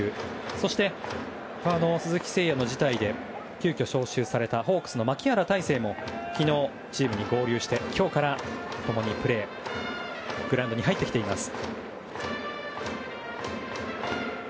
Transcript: そして鈴木誠也の辞退で急きょ招集されたホークスの牧原大成も昨日、チームに合流して今日から共にプレーグラウンドに入ってきています。